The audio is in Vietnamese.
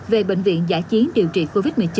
về bệnh viện giã chiến điều trị covid một mươi chín